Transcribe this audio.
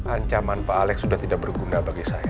ancaman pak alex sudah tidak berguna bagi saya